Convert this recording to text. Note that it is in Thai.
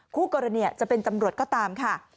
คู่กรณีจะเป็นตำรวจก็ตามค่ะ